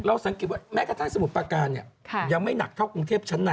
สังเกตว่าแม้กระทั่งสมุทรประการเนี่ยยังไม่หนักเท่ากรุงเทพชั้นใน